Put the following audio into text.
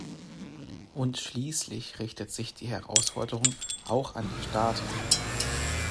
Und schließlich richtet sich die Herausforderung auch an die Staaten.